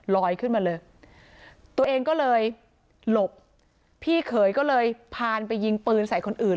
ลอยขึ้นมาเลยตัวเองก็เลยหลบพี่เขยก็เลยพานไปยิงปืนใส่คนอื่น